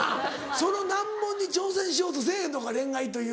その難問に挑戦しようとせぇへんのか恋愛という。